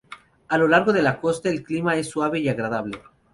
A lo largo de la costa el clima es suave y agradable.